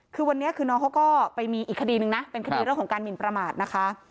คือวันนี้คือน้องเขาก็ไปมีอีกคดีนึงนะเป็นคดีเรื่องของการหมินประมาทนะคะ